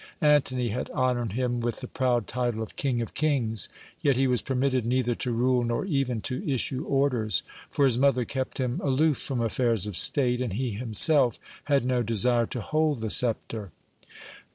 Antony had honoured him with the proud title of "King of kings"; yet he was permitted neither to rule nor even to issue orders, for his mother kept him aloof from affairs of state, and he himself had no desire to hold the sceptre.